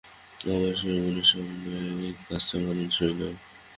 আমার শরীরমনের সঙ্গে এই কাজটা মানানসই নয়।